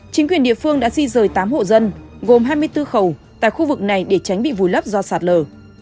chính quyền địa phương đã di rời tám hộ dân gồm hai mươi bốn khẩu tại khu vực này để tránh bị vùi lấp do sạt lở